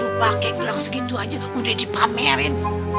gila baru pake gelang segitu aja udah dipamerin